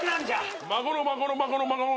孫の孫の孫の孫の。